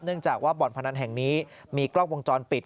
เนื่องจากว่าบอร์ดพนันแห่งนี้มีกล้องวงจรปิด